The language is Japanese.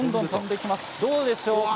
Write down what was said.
どうでしょうか？